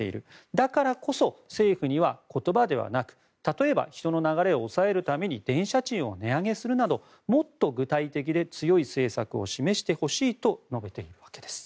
だからこそ政府には言葉ではなく例えば人の流れを抑えるために電車賃を値上げするなどもっと具体的で強い政策を示してほしいと述べているわけです。